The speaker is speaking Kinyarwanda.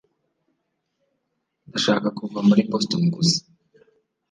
ndashaka kuva muri boston gusa